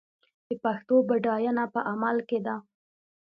د پښتو بډاینه په عمل کې ده.